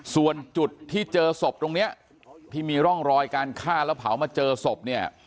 ส่วนจุดที่เจอศพตรงนี้ที่มีร่องรอยการฆ่าแล้วเผามาเจอศพเนี่ย